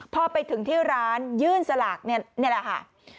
พอไปถึงที่ร้านยื่นสลากนี่แหละค่ะ